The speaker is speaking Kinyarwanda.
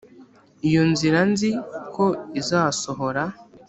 iyo nzira nzi ko izasohora.